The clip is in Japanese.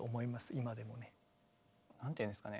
今でもね。なんていうんですかね